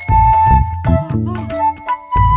itu neng membe